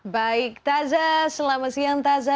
baik taza selamat siang taza